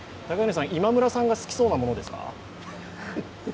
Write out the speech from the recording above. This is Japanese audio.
今村さんが好きそうなものですか？